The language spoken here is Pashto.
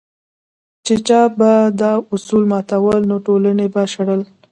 چې چا به دا اصول ماتول نو ټولنې به شړل.